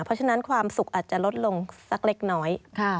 เพราะฉะนั้นความสุขอาจจะลดลงสักเล็กน้อย